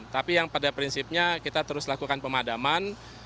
tapi yang pada prinsipnya kita terus lakukan pemadaman